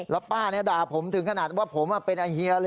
แล้วป้าด่าผมถึงขนาดว่าผมเป็นอาเฮียเลย